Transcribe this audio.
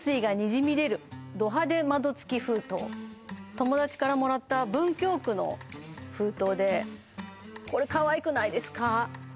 友達からもらった文京区の封筒でこれかわいくないですか？